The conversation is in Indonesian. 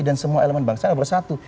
dan semua elemen bangsa ini bersatu